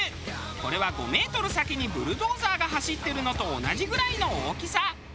これは５メートル先にブルドーザーが走ってるのと同じぐらいの大きさ。